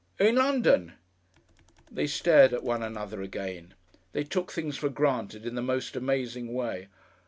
"In London." They stared at one another again. They took things for granted in the most amazing way.